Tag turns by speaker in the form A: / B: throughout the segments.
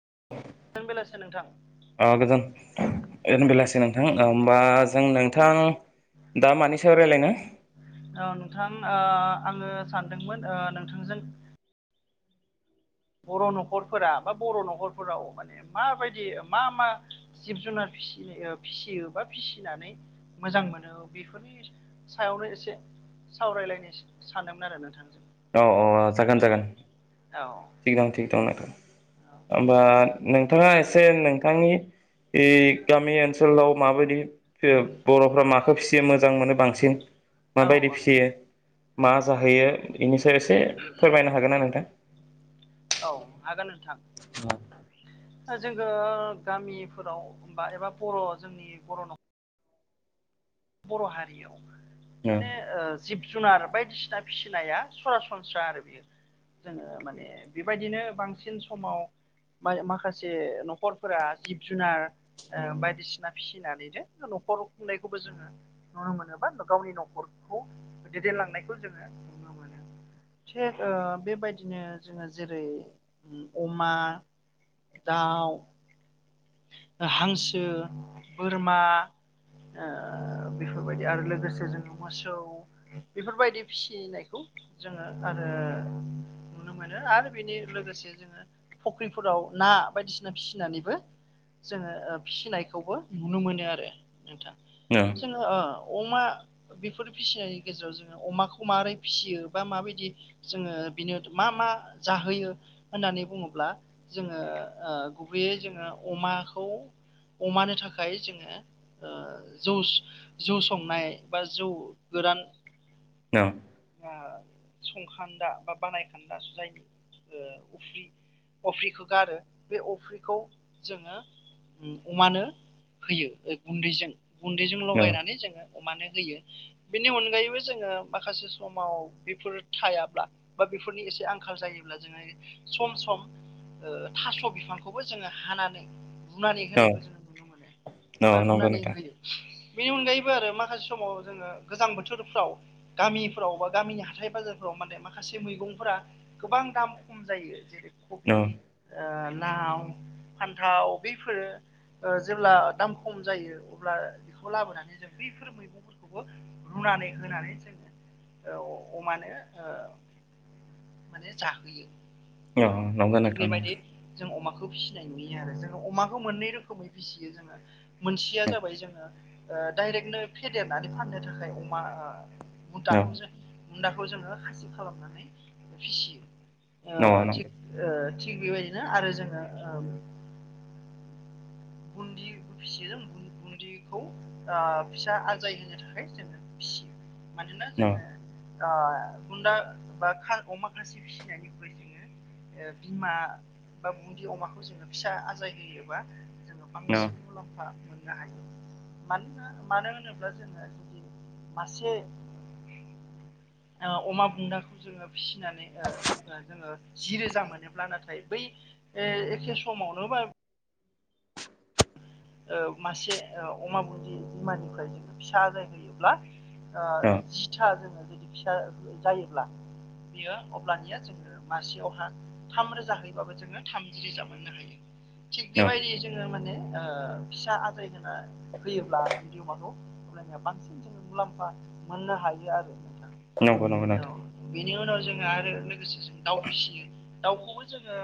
A: [unintelligible]
B: अ गोजोन बेलासि नोंथां होमबा जों नोंथां दा मानि सायाव रायज्लायनो?
A: औ नोंथां ओ आंङो सानदोंमोन ओ नोंथांजों बर' न'खरफोरा बा बर' न'खरफोराव माने माबायदि मा मा जिब जुनार फिसि ओ फिसियोबा फिसिनानै मोजां मोनो बेफोरनि सायावनो एसे सावरायलायनो सानोमोन आरो नोंथांजों।
B: औ औ जागोन जागोन
A: औ
B: थिग दं थिग दं नोंथां। ओमबा नोंथाङा एसे नोंथांनि बे गामि ओनसोलाव माबायदि बर'फ्रा माखौ फिसियो मोजां मोनो बांसिन?
A: औ
B: माबायदि फिसियो मा जाहोयो बेनि सायाव एसे फोरमायनो हागोनना नोंथां?
A: औ हागोन नोंथां।
B: औ
A: ओजोङो गामिफोराव बा एबा बर' जोंनि बर' न'ख बर' हारियाव
B: औ
A: माने ओ जिब जुनार बायदिसिना फिसिनाया सरासनस्रा आरो बियो। जोङो माने बेबायदिनो बांसिन समाव बाय माखासे न'खरफोरा जिब जुनार ओ बायदिसिना फिसिनानैनो न'खर खुंनायखौ जोङो नुनो मोनो बा गावनि न'खरखौ दैदेनलांनायखौ जोङो नुनो मोनो। थेक-ओ बेबायदिनो जोङो जेरै ओ अमा दाउ हांसो बोरमा ओ बेफोरबायदि आरो लोगोसे जोङो मोसौ बेफोरबायदि फिसिनायखौ जोङो आरो ओ नुनो मोनो आरो बेनि लोगोसे जोङो फख्रिफोराव ना बायदिसिना फिसिनानैबो जोङो फिसिनायखौबो नुनो मोनो आरो नोंथां जोङो ओ अमा बेफोर फिसिनायनि गेजेराव जोङो अमाखौ मारै फिसियो बा माबायदि जोङो बिनो मा मा? मा जाहोयो होननानै बुङोब्ला जोङो ओ गुबैयै जोङो अमाखौ औ अमानो थाखाय जोङो ओ जौस जौ संनाय बा जौ गोरान
B: औ
A: आ संखान्दा बा बानायखान्दा जुजायनि उफ्रि अफ्रिखौ गारो बे अफ्रिखौ जोङो ओं अमानो होयो गुन्दैजों गुन्दैजों
B: औ
A: लगायनानै जोङो अमानो होयो बेनि अनगायैबो जोङो माखासे समाव बेफोर थायाब्ला बा बेफोरनि एसे आंखाल जायोब्ला जोङो सम सम ओ थास' बिफांखौबो जोङो हानानै रुनानै
B: औ
A: होनायखौ जोङो नुनो मोनो
B: औ
A: बा
B: नंगौ
A: रुनानै
B: नोंथां
A: होयो बेनि अनगायैबो आरो माखासे समाव जोङो गोजां बोथोरफ्राव गामिफ्राव बा गामिनि हाथाय बाजा जारफ्राव माने माखासे मेगंफोरा गोबां दाम खम जायो जेरै खबि
B: औ
A: आ लाव फान्थाव बेफोरो ओ जेब्ला दाम खम जायो। अब्ला बेखौ लाबोनानै जों बैफोर मैगंफोरखौबो रुनानै होनानै जोङो औ अमानो ओ माने जाहोयो।
B: अ नंग नोंथां मोन।
A: खो फिसिनाय नुयो आरो जोङो अमाखौ मोननै रोखोमै फिसियो जोङो मोनसेया जाबा जोङो ओ डाइरेक्टनो फेदेरनानै फाननो थाखाय अमा बुन्दाखौ जों बुन्दाखौ जोङो खासि खालामनानै फिसियो
B: औ औ
A: ओ थिग
B: नंगौ।
A: ओ थिग बेबायदिनो आरो जोङो ओ बन्दिखौ फिसियो बुन दिखौ ओ फिसा आजाय होनो थाखाय जोङो फियो मानोना
B: औ
A: जोङो ओ बुन्दा बा खा अमा खासि फिसिनायनिख्रुइ जोङो ओ बिमा बा बुन्दि अमाखौ जोङो फिसा आजाय होयोबा जोङो
B: औ
A: बांसिन मुलाम्फा मोननो हायो मानोना मानो होनोब्ला जोङो जुदि मासे [inaudible] ओ अमा बुन्दाखौ जोङो फिसिनानै जोङो ओ-ओ जोङो जि रोजा मोनोब्ला नाथाय बै ए एखे समावनो बाय ओ मासे ओ अमा बुन्दि बिमानिफ्राय ज फिसा आजाय होयोब्ला ओ
B: औ
A: सिथा जोङो जुदि फिसा जायोब्ला बेयो अब्लानिया जोङो मासेयावहा थाम रोजा हैबाबो जोङो थामजि रोजा मोननो हायो। थिग
B: औ
A: बेबायदि जोङो माने फिसा आद्र होयोब्ला बिन्दि अमाखौ खलायनाया बांसिन जोङ मुलाम्फा मोननो हायो आरो।
B: नंगौ नंगौ नोंथां।
A: बिनि उनाव जोङो आरो लोगोसे जों दाउ फिसियो दाउखौबो जोङो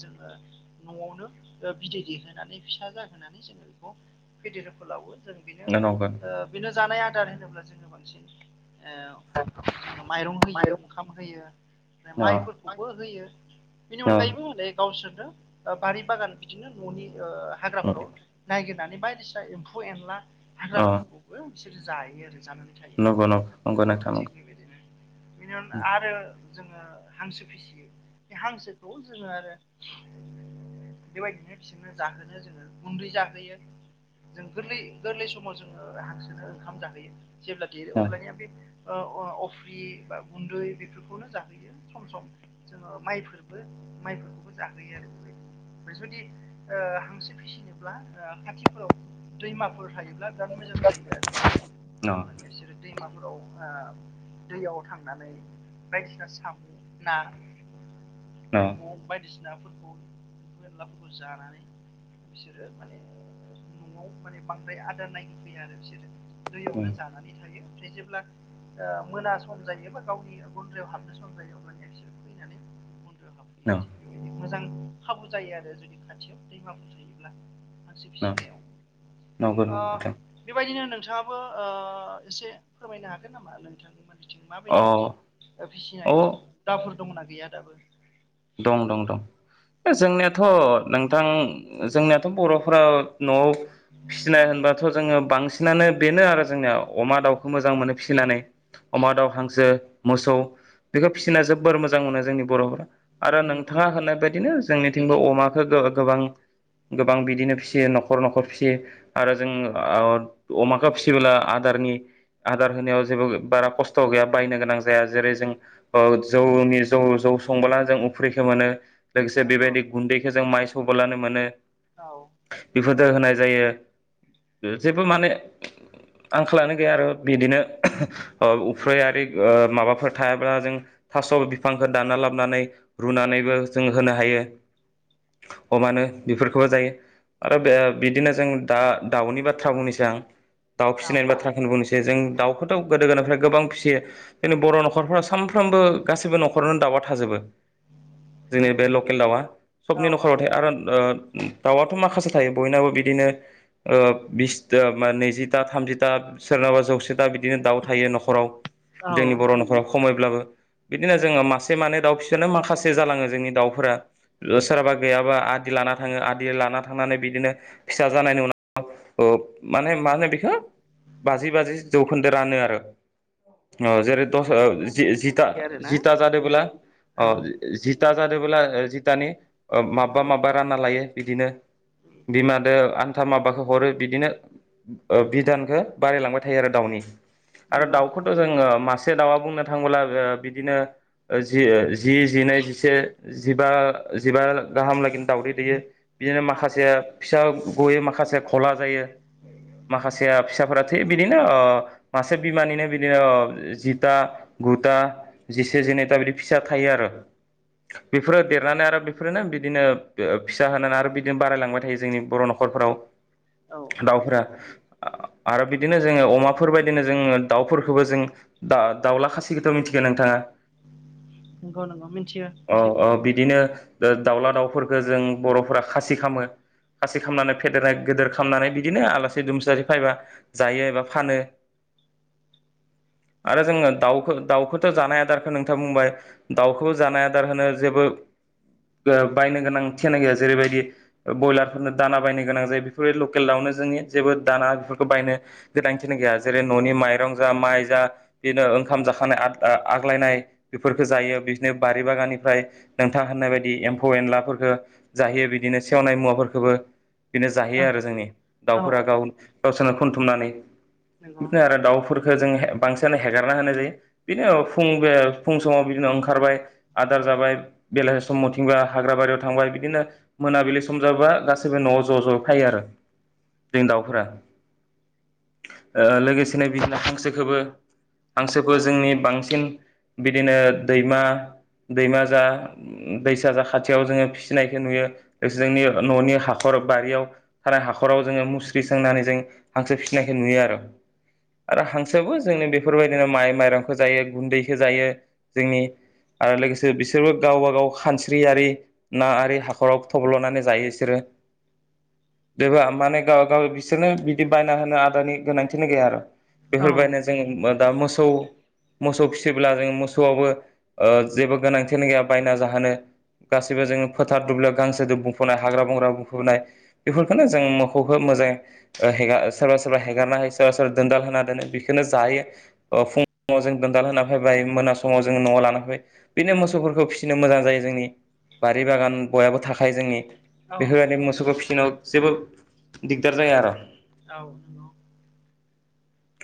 A: जोङो न'आवनो बिदै दैहोन फसा जोनानै जोो बेखौ फेदेर फोलावो
B: नंगौ
A: जों जानाय आदार होनोब्ला जोङो बांसिन जोंओ माइरं होयो ओंखाम होयो।
B: अ
A: माइफोरखौबो होयो बेनि
B: अ
A: अनगायैबोलै गावसोरनो बारि बागान बिदिनो न'नि हाग्राफ्राव नायगिरनानै बायदिसिना एम्फौ एनला हाग्राफोरखौबो बिसोरो जायो आरो। ानानै थायो
B: नंगौ नंगौ नंगौ नोंथां
A: थि
B: नंगौ
A: बेबायदिनोनि आरो जोङो हांसो फिसियो बे हांसोखौ जोङो आरो बेबायदिनो बिसोरनो जाहोनो जोङो गुन्दै जाहोयो। जों गोरलै गोरलै समाव जोङो हांसोनो ओंखाम जाहोयो जेब्ला देरो
B: न
A: अब्लानिया बे अफ्रि बा गुन्दै बेफोरखौनो जाहोयो सम सम जोङो माइफोरबो माइफोरखौबो जाहोयो आरो बे ओमफ्राय जुदि हांसो फिसिनोब्ला खाथिफोराव दैमाफोर थायो। बिाद मोजां जायो
B: न
A: आरोे बिसोरोर दै फोराव दैयाव थांनानै। बायदिना साम' ना।
B: न
A: एम्फौ बायदिसिनाफोरखौ एनलाफोरखौ जानानै बिसोरो माने न'आव माने बांद्राय आदार नाय फैया आरो बिसोरो। दैयावनो जानानै थायो। जेब्ला मोना सम जायो बा गावनि गुन्द्रायाव हाबनो सम जायो अब्ला नानै यो थि
B: न नंगौ
A: बेबायदि मोजां खाबु जायो आरो जुदि खाथियाव दैमाफोरु थायोब्ला।
B: नंगौ
A: नायाव
B: नोंथां
A: बेबायदिनो नों नोंथाङाबो एसे फोरमायनो हागोन नामा नोंथांनिमोन बिथिं
B: अ
A: माबायदि बिदि
B: अ
A: फिसिनाय दावफोर दंना गैया दाबो।
B: दं दं दं। जोंनियाथ' नोंथां जोंनियाथ' बर'फोरा न'आव फिसिनाय होनबाथ' जोङो बांसिनानो बेनो आरो जोंनिया अमा दाउ। मोजां मोनो फिसिनानै अमा दाउ हांसो। मोसौ बेखौ फिसिना जोबोर मोजां मोनो जोंनि बर'फोरा। आरो
A: नंगौ
B: नोंथाङा होननाय बायदिनो जोंनिथिंबो अमाखौ गोबां गोबां बिदिनो फिसियो न'खर न'खर फिसियो आरो जों अमाखौ फिसियोब्ला आदार जारनि आदार होनायाव जेबो बारा खस्थ' गैया बायनो गोनां जाया जेरै जों जौनि जौ जौ थ संब्लानो जों उफ्रिखौ मोनो लोगोसे
A: नंगौ
B: बेबायदि गुन्दैखौ जों माइ सौब्लानो मोनो।
A: औ
B: बिफोरदो होनाय जायो जेबो माने आंखालानो गैया आरो बिदिनो उफ्रै आरि माबाफोर थायाब्ला जों थास' बिफांखौ दाना लाबोनानै रुनानैबो जों होनो हायो। अमानो बेफोरखौबो जायो। आरो बे बिदिनो जों दा दाउनि बाथ्रा बुंनोसै आं दाउ फिसिनायनि बाथ्राखौ बुंनोसै आ फ जों दाउखौथ' गोदो गोदनिफ्राय गोबां फिसियो जोंनि बर' न'खरफोरााव सामफ्रोमबो गासिबो नखरावनो दाउ माबा थाजोबो। जोंनि
A: नंगौ
B: बे लकेल दाउआ
A: औ
B: सबनि न'खराव
A: औ
B: थायो
A: नंगौ
B: आरो दाउआथ' माखासे थायोम बयनाबो बिदिनो ओ बिस नैजिथा थामजिथा सोरनबा जौसेथा बिदिनो दाउ थायो न'खराव।
A: औ
B: जोंनि बर' न'खराव खमैब्लाबो बिदिनो जोङो मासे मानै दाउ फिसानो माखा। से जालाङो जोंनि दाउफोरा सोरहाबा गैयाबा आदि लाना थाङो आदि लाना थांनानै बिदिनो। फिसा जानायनि उनाव माने मा होनो बेखो। बाजि बाजि जौखोन्दो रानो आरो ओ जेरै दस जि जिथा
A: बिदि आरोना
B: जिथा जादोंब्ला अ
A: औ
B: दा जादोंब्ला जि दानि ओ माबबा
A: औ
B: माबबा रानना लायो बिदिनो। बिमादो आन्था माबाखो हरो बिदिनो बिधानखो बारायलांबाय थायो आरो दाउनि। आरो
A: नंगौ
B: दाउखौथ'
A: नंगौ
B: जोङो मासे दाउआ बुंनो थांबोला बिदिनो जि जि। जिनै जिसे जिबा जिबा। गाहामलागैनो दाउदै दैयो बिदिनो
A: औ
B: माखासे फिसा गयो माखासे खला जायो। माखासेया फिसाफोरा थै बिदिनो ओ मासे बिमानिनो बिदिनो ओ जिथा। गुथा जेसे जनैथा बिदि फिसा थायो आरो।
A: [inaudible]
B: बेफोरो देरनानै आरो बेफोरनो बिदिनो फिसा होनानै आरो बिदिनो बारायलांबाय थायो जोंनि बर' न'खरफोराव।
A: औ नंगौ
B: दाउफोरा। आरो बिदिनो जोङो अमाफोर बदिनो जोङो दाउफोरखौबो जों दा-दाउला खासिखौथ' मिथि। नोंथाङा।
A: नंगौ नंगौ। मिथियो
B: अ
A: मिथिगौ
B: अ बिदिनो दाउला दाउफोरखौ जों बर'फोरा खासि खामो। खासि खामनानै फेदेरनाय गेदेर खामनानै बिदिनो आलासि दुमसिसि फैबा जायो एबा फानो।
A: [inaudible] नोंथां
B: आरो जोङो दाउखौ दाउखौथ' जानाय आदारखौ नोंथाङा बुंबाय दाउखौ। जानाय आदार होनो जेबो। ओ बायनो गोनां थिना गैया जेरैबायदि ब्रयलारफोरनो दाना बायनो गोनां जायो बेफोरबायदि लकेल दाउ। जोंनि जेबो दाना बेफोरखौ बायनो गोनांथि गैया जेरै न'नि माइरं जा माइ जा बेदिनो। ओ ओंखाम जाखानाय आ-आग्लायनाय बेफोरखौ जायो बि। दिनो बारि बागाननिफ्राय नोंथाङा होननाय बायदि एम्फौ एनलाफोरखौ जाहैयो बिदिनो सेवनाय मुवाफोरखौ। बो। बेनो
A: औ
B: जाहैयो आरो जोंनि
A: औ
B: दाउफोरा गाव
A: औ
B: गावसोरनो खथुमनानै
A: नंगौ
B: बिदिनो आरो दाउफोर। फोर जोङो बांसिनानो हेगारना होनाय जायो बिदिनो फु ओ फुं समाव बिनो खारबाय आदार जाबाय बेलासि समावथिंबा हाग्रा बारियाव थांबाय बिदिनो मोनाबिलि सम जाबाय। दा गाैबो न'आव ज' ज' फायो आरो जोंनि दाउफोरा। ओ लोगोसेनो बिदिनो हांसोखौबो। हांसोखौ जोंनि बांसिन बिदिनो दैमा। दैमा जा दैसा जा खाथियाव जोङो फिसिनायखौ नुयो लोगोसे जोंनि न'नि हाखर। बारियाव थानाय हाखराव जोङो मुस्रि सोंनानै जों हांसो फिसिनायखौ नुयो आरो। आरो हांसोबो जोंनि बेफोरबायदिनो माइ माइरंखौ जायो गुन्दैखौ जायो जोंनि। आरो लोगोसे बिसोरबो गावबा गाव खानस्रियि ना आरि हाखराव थब्ल'नानै जायो बिसोरो।
A: [inaudible]
B: बेबा माने गाव गाव बिसोरनो बिदि बायना होनो आदारनि गोनांथिनि गैया आरो।
A: औ
B: बेफोरबायदिनो जों मो दा मोसौ मोसौ फिसिब्ला जों मोसौ। सौआवबो ओ जेबो गोनांथियानो गैया बायना जाहोनो। गासैबो जोङो फोथार दुब्लियाव गांसोजों बुंफ'नाय हाग्रा बंग्रा बुंफबनाय बेफोरफोरखौनो जों मोखौ [unintelligible] सोरबा सोरबा हेारना हो सोरबा सोरबा दोनदाल होना दोनो बेखौनो जायो ओ फुं। ङाव जों गोनदान होना फैबाय मोनास। समाव जोङो न'आव लान फै बिदिनो मोसौफोरखौ फिसिनो मोजां जायो जोंनि। बारि बागान बयहाबो थाखायो जोंनि।
A: नंगौ नंगौ औ नंगौ औ
B: बेफोरदि मोसौखौ फिसिनायाव जेबो दिग्दार जाया आरो।
A: औ ओ।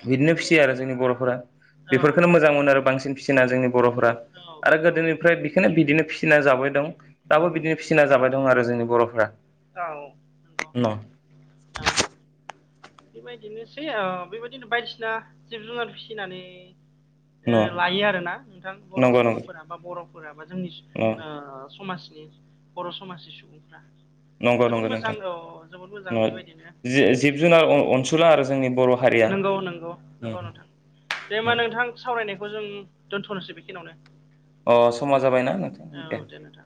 B: बिदिनो फिसियो आरो जोंनि बर'फोरा बेफोरखौनो मोजां मोनो आरो बांसिन। सिना जोंनि बर'फोरा आरो
A: औ
B: गोदोनिफ्राय बेखोनो बिदिनो फिसिना जाबाय दं दाबो बिदिनो फिसिना जाबाय दं आरो जोंनि बर'फ्रा।
A: औ
B: न' [unintelligible]
A: औ बेबायदिनोसै बेबायदिनो बायदिसिना जिब जुनार फिसिनानै
B: न'
A: लायो आरोना नोंथां बर'
B: नंगौ नंगौ
A: न'खरफोरा बा बर'फोरा बा जोंनि
B: न'
A: समाज [unintelligible] बर' समाजनि सुबुं
B: नंगौ नंगौ
A: जोबोद मोजां
B: नोंथां
A: बेबायदिनो
B: जि जिब जुनार अनसुला आरो जोंनि बर' हारिया
A: नंगौ नंगौ नंगौ नोंथां। दे होम्बा नोंथां सावरायनायखौ जों दोन्थ'नोसै बेखिनियावनो।
B: अ समा जाबायना नोंथां। दे।
A: औ नोंथां